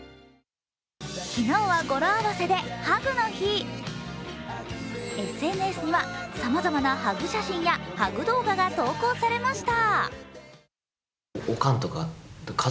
昨日は語呂合わせでハグの日ＳＮＳにはさまざまなハグ写真やハグ動画が投稿されました。